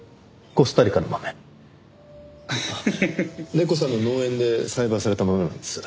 ネコさんの農園で栽培されたものなんです。